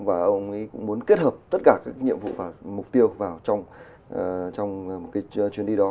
và ông ấy cũng muốn kết hợp tất cả các nhiệm vụ và mục tiêu vào trong một cái chuyến đi đó